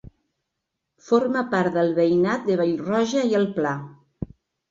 Forma part del veïnat de Vallroja i el Pla.